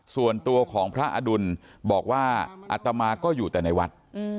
ส่วนตัวของพระอดุลบอกว่าอัตมาก็อยู่แต่ในวัด